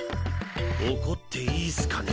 怒っていいスかね。